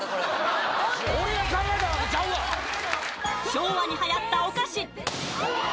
昭和にはやったお菓子キャ！